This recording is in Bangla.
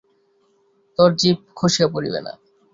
তোর জিব খসিয়া পড়িবে না!